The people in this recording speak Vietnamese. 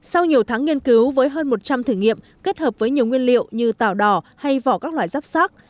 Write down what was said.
sau nhiều tháng nghiên cứu với hơn một trăm linh thử nghiệm kết hợp với nhiều nguyên liệu như tảo đỏ hay vỏ các loại rắp sắc